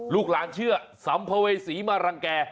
ลูกหลานเชื่อสัมภเวษีมารังแก่